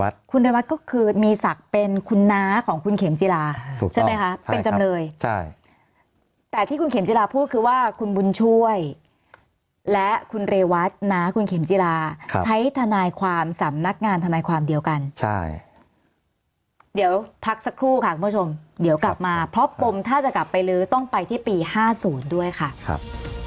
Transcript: ใช่ไหมคะเป็นจำเลยใช่แต่ที่คุณเข็มจิลาพูดคือว่าคุณบุญช่วยและคุณเรวัตนาคุณเข็มจิลาใช้ทนายความสำนักงานทนายความเดียวกันใช่เดี๋ยวพักสักครู่ค่ะคุณผู้ชมเดี๋ยวกลับมาเพราะผมถ้าจะกลับไปหรือต้องไปที่ปี๕๐ด้วยค่ะครับ